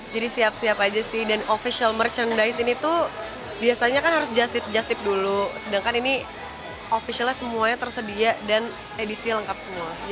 jadi siap siap aja sih dan official merchandise ini tuh biasanya kan harus just tip dulu sedangkan ini officialnya semuanya tersedia dan edisinya lengkap semua